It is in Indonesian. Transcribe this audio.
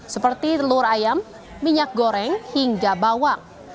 seperti telur ayam minyak goreng hingga bawang